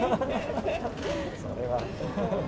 それは。